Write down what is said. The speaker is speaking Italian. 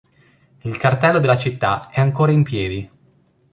Il cartello della città è ancora in piedi.